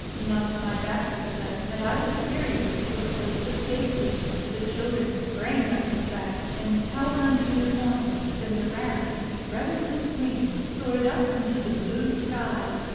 'Mount my back," said he, "and I will carry you to a place of safety." The children sprang on his back, and held on to his horns; then the Ram, spreading his wings, soared up into the blue sky.